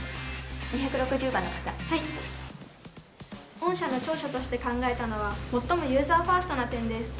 御社の長所として考えたのは最もユーザーファーストな点です。